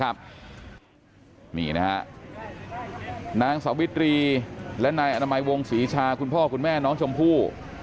นี่นะฮะนางสาวิตรีและนายอนามัยวงศรีชาคุณพ่อคุณแม่น้องชมพู่